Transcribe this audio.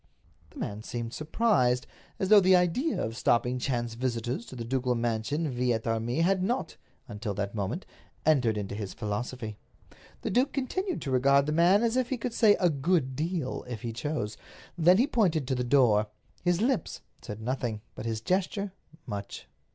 The man seemed surprised, as though the idea of stopping chance visitors to the ducal mansion vi et armis had not, until that moment, entered into his philosophy. The duke continued to regard the man as if he could say a good deal, if he chose. Then he pointed to the door. His lips said nothing, but his gesture much.